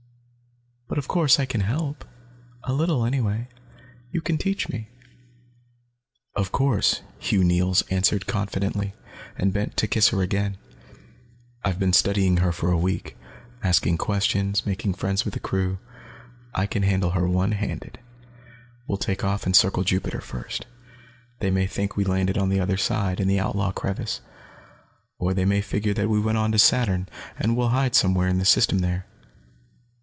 "But of course, I can help, a little anyway. You can teach me." "Of course," Hugh Neils answered confidently, and bent to kiss her again. "I've been studying her for a week, asking questions, making friends with the crew. I can handle her one handed. We'll take off and circle Jupiter first. They may think we landed on the other side, in the Outlaw Crevice. Or they may figure that we went on to Saturn, and will hide somewhere in the system there.